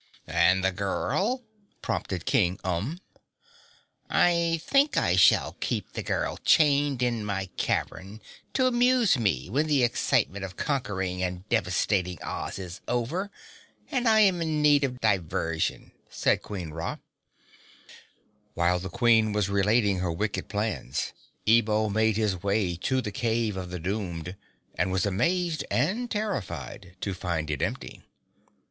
"And the girl?" prompted King Umb. "I think I shall keep the girl chained in my cavern to amuse me when the excitement of conquering and devastating Oz is over and I am in need of diversion," said Queen Ra. While the Queen was relating her wicked plans, Ebo made his way to the Cave of the Doomed and was amazed and terrified to find it empty.